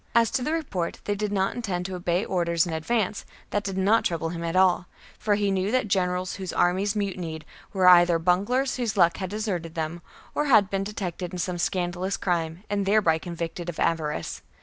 58 b.c. As to the report that they did not intend to obey orders and advance, that did not trouble him at all ; for he knew that generals whose armies mutinied were either bunglers whose luck had deserted them, or had been detected in some scandalous crime, and thereby convicted of avarice.